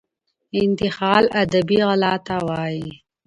انتحال ادبي غلا ته وايي.